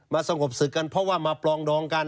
สงบศึกกันเพราะว่ามาปลองดองกัน